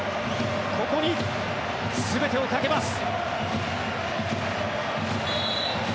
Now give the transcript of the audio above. ここに全てをかけます。